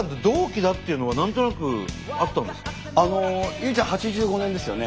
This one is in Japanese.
唯ちゃん８５年ですよね？